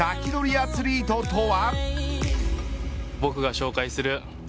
アツリートとは。